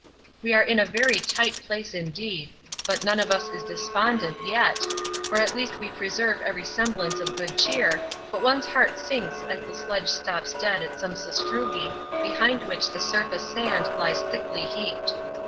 We are in a very tight place indeed, but none of us despondent yet, or at least we preserve every semblance of good cheer, but one's heart sinks as the sledge stops dead at some sastrugi behind which the surface sand lies thickly heaped.